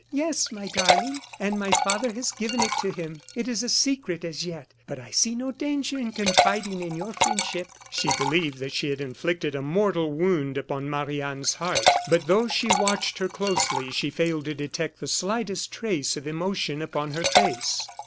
Yes, my darling; and my father has given it to him. It is a secret as yet; but I see no danger in confiding in your friendship." She believed that she had inflicted a mortal wound upon Marie Anne's heart; but though she watched her closely, she failed to detect the slightest trace of emotion upon her face.